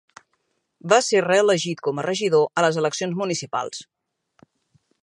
Va ser reelegit com a regidor a les eleccions municipals.